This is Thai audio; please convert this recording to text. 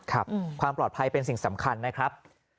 ความปลอดภัยเป็นสิ่งสำคัญนะครับ